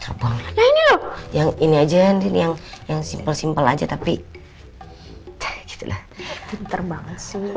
terbang kemana mana masih terbang yang ini aja yang yang simpel simpel aja tapi terbang